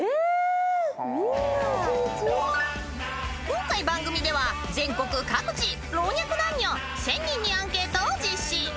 ［今回番組では全国各地老若男女１，０００人にアンケートを実施］